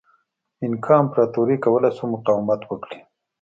اینکا امپراتورۍ کولای شوای مقاومت وکړي.